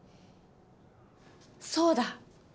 そうだ！